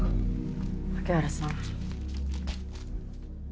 柿原さん。